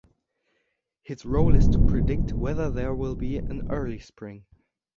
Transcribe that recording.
His role is to predict whether there will be an early spring.